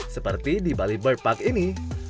seperti di bali bird park ini